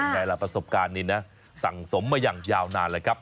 ไงล่ะประสบการณ์นี้นะสั่งสมมาอย่างยาวนานเลยครับ